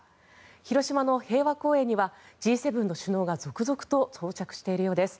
広島の平和公園にはＧ７の首脳が続々と到着しているようです。